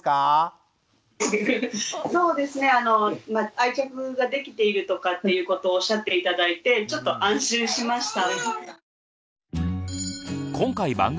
愛着ができているとかっていうことをおっしゃって頂いてちょっと安心しました。